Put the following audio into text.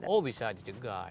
oh bisa dicegah